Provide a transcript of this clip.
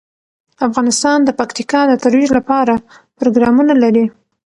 افغانستان د پکتیکا د ترویج لپاره پروګرامونه لري.